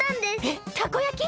えたこ焼き！？